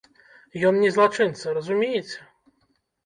Ён не злачынца, разумееце?